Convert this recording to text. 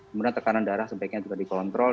kemudian tekanan darah sebaiknya juga dikontrol